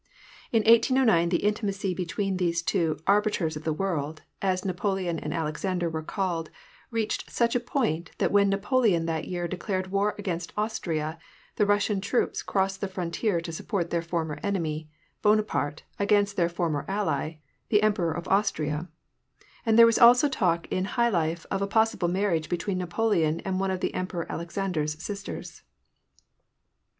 In 1809 the intimacy between these two " arbiters of the world," as Napoleon and Alexander were called, reached such a point that when Napoleon that year declared war against Austria, the Russian troops crossed the frontier to support their former enemy, Bonaparte, against their former ally, the Em peror of Austria ; and there was also talk in high life of a pos sible marriage between Napoleon and one of the Emperor Alexander's sisters.